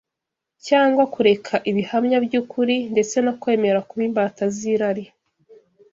cyangwa kureka ibihamya by’ukuri, ndetse no kwemera kuba imbata z’irari